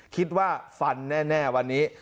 คิดว่าฟันแน่วันนี้